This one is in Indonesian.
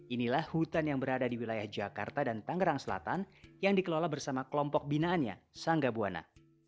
inilah hutan yang berada di wilayah jakarta dan tangerang selatan yang dikelola bersama kelompok binaannya sangga buana